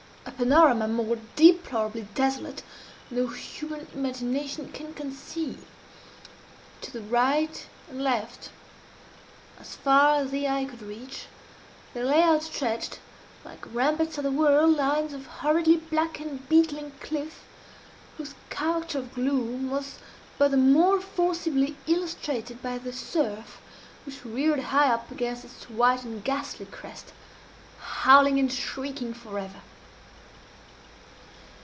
A panorama more deplorably desolate no human imagination can conceive. To the right and left, as far as the eye could reach, there lay outstretched, like ramparts of the world, lines of horridly black and beetling cliff, whose character of gloom was but the more forcibly illustrated by the surf which reared high up against it its white and ghastly crest, howling and shrieking forever.